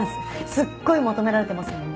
すっごい求められてますもんね。